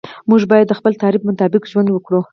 موږ باید د خپل تعریف مطابق ژوند وکړو.